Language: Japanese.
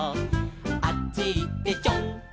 「あっちいってちょんちょん」